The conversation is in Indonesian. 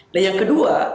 nah yang kedua